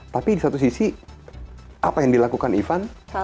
tapi di satu sisi apa yang dilakukan ivan